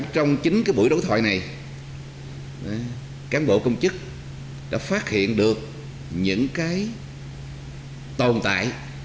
trong chính cái buổi đối thoại này cán bộ công chức đã phát hiện được những cái tồn tại